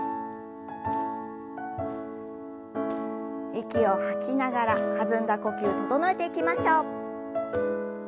息を吐きながら弾んだ呼吸整えていきましょう。